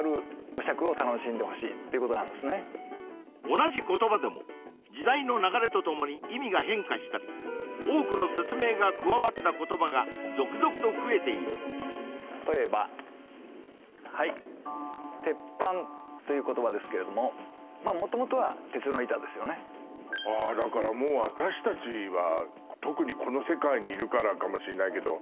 同じ言葉でも時代の流れとともに意味が変化したり多くの説明が加わった言葉が続々と増えている例えばはい「鉄板」という言葉ですけれどもまあ元々は鉄の板ですよねああだからもう私達は特にこの世界にいるからかもしれないけど